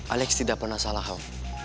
alex tidak pernah salah